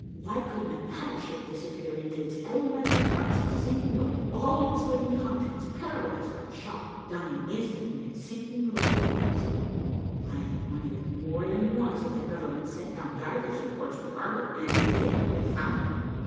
Why couldn't a battleship disappear into its elemental parts the same way, all its living contents paralyzed by the shock, dying instantly and sinking below the waves. I've wondered more than once if the government sent down divers in Portsmouth harbor and if they did, what they found."